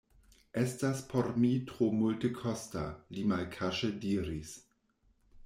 Estas por mi tro multekosta, li malkaŝe diris.